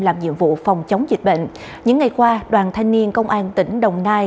làm nhiệm vụ phòng chống dịch bệnh những ngày qua đoàn thanh niên công an tỉnh đồng nai